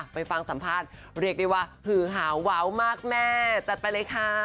ไปฟังสัมภาษณ์เรียกได้ว่าหือหาว้าวมากแม่จัดไปเลยค่ะ